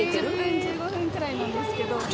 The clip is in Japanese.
１０分１５分くらいなんですけど。